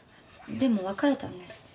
でも別れたんです。